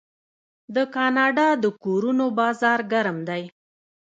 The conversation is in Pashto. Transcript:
د کاناډا د کورونو بازار ګرم دی.